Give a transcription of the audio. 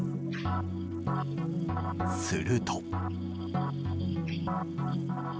すると。